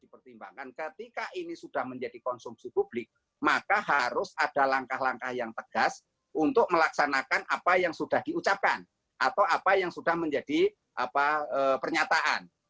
dipertimbangkan ketika ini sudah menjadi konsumsi publik maka harus ada langkah langkah yang tegas untuk melaksanakan apa yang sudah diucapkan atau apa yang sudah menjadi pernyataan